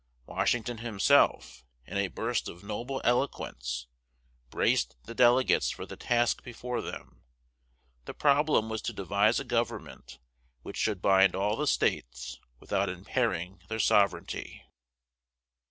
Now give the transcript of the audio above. Washington himself, in a burst of noble eloquence, braced the delegates for the task before them. The problem was to devise a government which should bind all the states without impairing their sovereignty.